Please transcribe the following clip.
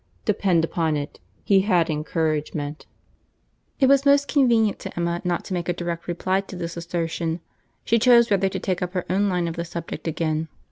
Depend upon it he had encouragement." It was most convenient to Emma not to make a direct reply to this assertion; she chose rather to take up her own line of the subject again.